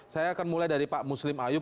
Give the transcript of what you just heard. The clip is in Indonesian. saya akan mulai dari pak muslim ayub